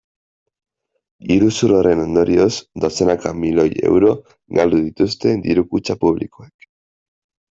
Iruzur horren ondorioz dozenaka milioi euro galdu dituzte diru-kutxa publikoek.